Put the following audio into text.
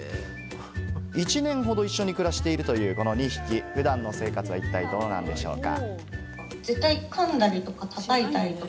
１年ほど一緒に暮らしているというこの２匹、普段の生活は一体どうなんでしょうか？